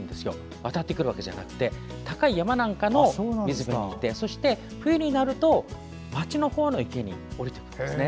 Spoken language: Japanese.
渡ってくるわけじゃなくて高い山なんかの水辺にいてそして、冬になると町のほうの池に下りてくるんです。